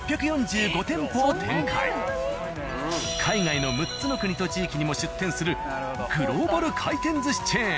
海外の６つの国と地域にも出店するグローバル回転寿司チェーン。